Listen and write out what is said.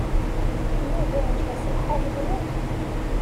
Yuba yeɛjeb-as lḥal mliḥ.